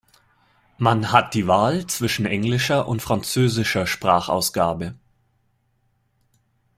Man hat die Wahl zwischen englischer und französischer Sprachausgabe.